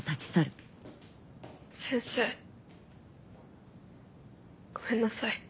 先生ごめんなさい。